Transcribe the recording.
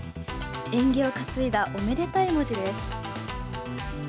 縁起を担いだおめでたい文字です。